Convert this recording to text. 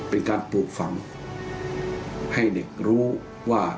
เป็นการปลูกฝังให้เด็กรู้ว่า